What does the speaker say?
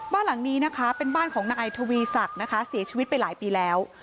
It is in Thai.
บ้านหลังนี้นะคะเป็นบ้านของนายทวีศักดิ์นะคะเสียชีวิตไปหลายปีแล้ว